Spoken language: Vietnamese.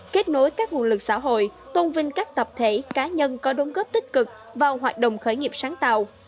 kết nối các nguồn lực xã hội tôn vinh các tập thể cá nhân có đồng góp tích cực vào hoạt động khởi nghiệp sáng tạo